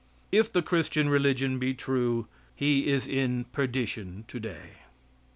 If the Christian religion be true, he is in perdition today.